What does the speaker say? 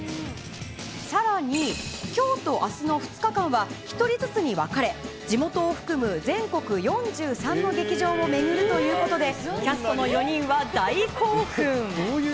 さらに、きょうとあすの２日間は、１人ずつに分かれ、地元を含む全国４３の劇場を巡るということで、キャストの４人は大興奮。